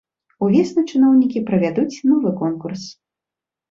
Увесну чыноўнікі правядуць новы конкурс.